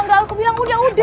gak aku bilang udah udah